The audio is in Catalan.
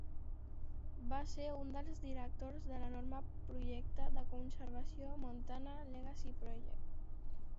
Va ser un dels directors de l'enorme projecte de conservació Montana Legacy Project.